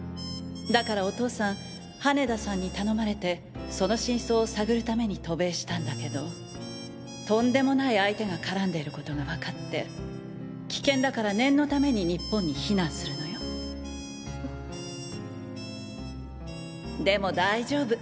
だからお父さん羽田さんに頼まれてその真相を探るために渡米したんだけどとんでもない相手がからんでる事がわかって危険だから念のために日本に避難するのよでも大丈夫！